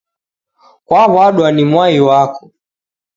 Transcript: Kwaw'adwa na mwai wako.